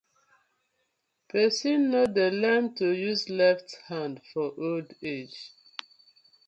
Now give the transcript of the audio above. Person no dey learn to use left hand for old age: